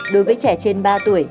đối với trẻ trên ba tuổi